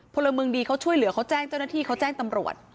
พลเมืองดีเขาช่วยเหลือเขาแจ้งเจ้าหน้าที่เขาแจ้งตำรวจ